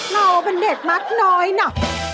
เราเป็นเด็กมักน้อยนะ